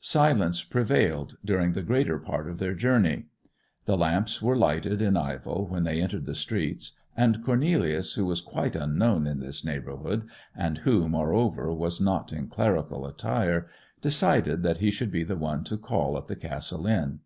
Silence prevailed during the greater part of their journey. The lamps were lighted in Ivell when they entered the streets, and Cornelius, who was quite unknown in this neighbourhood, and who, moreover, was not in clerical attire, decided that he should be the one to call at the Castle Inn.